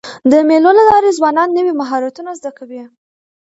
د مېلو له لاري ځوانان نوي مهارتونه زده کوي.